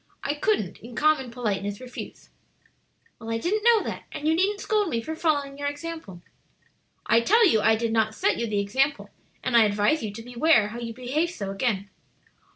I couldn't in common politeness refuse." "Well, I didn't know that; and you needn't scold me for following your example." "I tell you I did not set you the example; and I advise you to beware how you behave so again.